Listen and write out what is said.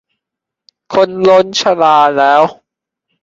คนล้นชลาแล้ว